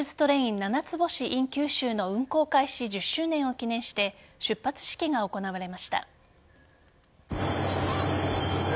豪華クルーズトレインななつ星ｉｎ九州の運行開始１０周年を記念して出発式が行われました。